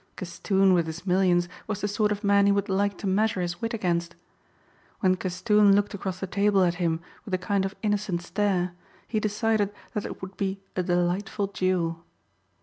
Castoon with his millions was the sort of man he would like to measure his wit against. When Castoon looked across the table at him with a kind of innocent stare he decided that it would be a delightful duel.